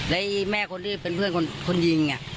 และแม่คนที่เป็นเพื่อนคนยิง